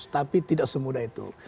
tapi tidak semudah itu